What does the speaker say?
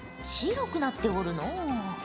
白くなっておるのう。